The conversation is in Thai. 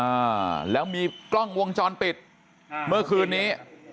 อ่าแล้วมีกล้องวงจรปิดเมื่อคืนนี้